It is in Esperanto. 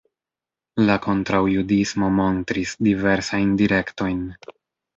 La kontraŭjudismo montris diversajn direktojn.